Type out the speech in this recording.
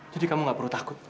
jadi kamu gak perlu takut